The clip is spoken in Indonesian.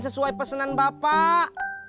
sesuai pesanan bapak